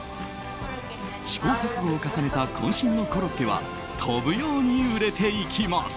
試行錯誤を重ねた渾身のコロッケは飛ぶように売れていきます。